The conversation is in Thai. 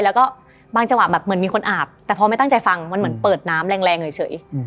แล้วก็บางจังหวะแบบเหมือนมีคนอาบแต่พอไม่ตั้งใจฟังมันเหมือนเปิดน้ำแรงเฉย